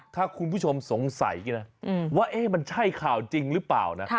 ถ้าคุณผู้ชมสงสัยว่ามันใช่ข่าวจริงหรือเปล่านะ